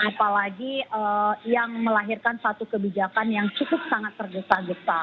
apalagi yang melahirkan satu kebijakan yang cukup sangat tergesa gesa